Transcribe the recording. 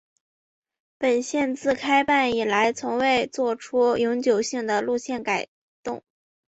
本线自开办以来从未做过永久性的路线改动。